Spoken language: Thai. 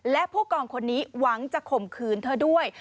และผู้กองคนนี้หวังจะข่มขืนเธอด้วย